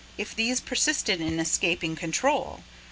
... if these persisted in escaping control?